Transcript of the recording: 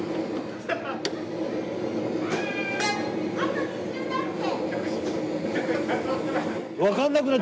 あと２周だって！